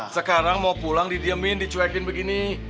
sekarang mau pulang didiemin dicuekin begini